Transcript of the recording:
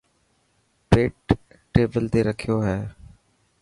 پيپ ٽيبل تي رکي هي.